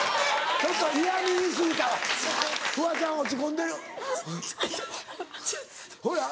ちょっと嫌み言い過ぎたわフワちゃん落ち込んでる。